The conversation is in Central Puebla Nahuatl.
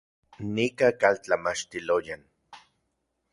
Nika kaltlamachtiloyan